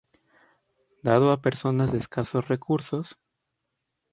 Dado a personas de escasos recursos.